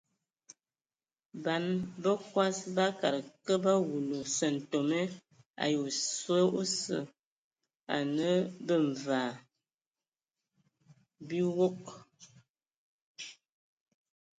Ban bəkɔs bakad kə ba wulu sƐntome ai oswe osə anə bə mvaa biwoŋ.